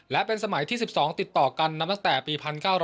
และเป็นสมัยที่๑๒ติดต่อกันนับตั้งแต่ปี๑๙๙